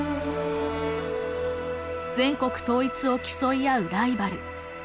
全国統一を競い合うライバル。